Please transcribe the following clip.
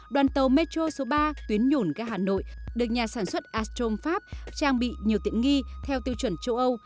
đoàn tàu metro số ba tuyến nhổn ga hà nội được nhà sản xuất astrom pháp trang bị nhiều tiện nghi theo tiêu chuẩn châu âu